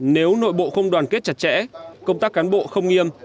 nếu nội bộ không đoàn kết chặt chẽ công tác cán bộ không nghiêm